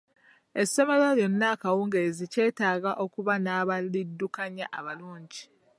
Essomero lyonna okuwanguzi, kyetaaga okuba n'abaliddukanya abalungi.